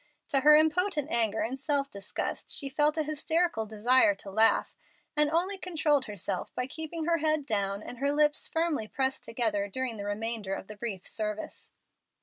To her impotent anger and self disgust she felt a hysterical desire to laugh, and only controlled herself by keeping her head down and her lips firmly pressed together during the remainder of the brief service.